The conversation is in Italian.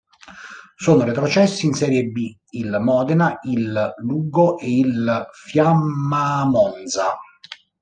Sono retrocessi in Serie B il Modena, il Lugo e il Fiammamonza.